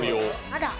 あら。